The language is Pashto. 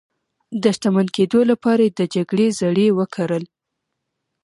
د شتمن کېدو لپاره یې د جګړې زړي وکرل.